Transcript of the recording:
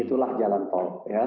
itulah jalan tol